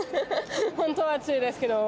本当に暑いですけど。